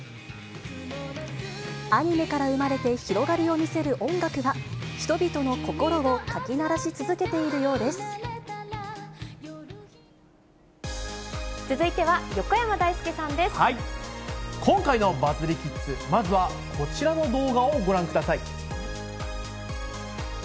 アニメから生まれて広がりを見せる音楽は、人々の心をかき鳴続いては横山だいすけさんで今回のバズりキッズ、まずはこちらの動画をご覧ください。